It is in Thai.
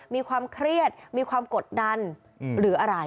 มีความเครียดมีความกดดันหรืออะไร